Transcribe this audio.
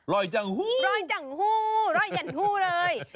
จังหู้รอยจังหู้รอยยันหู้เลย